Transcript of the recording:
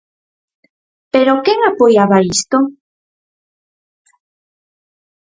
¿Pero quen apoiaba isto?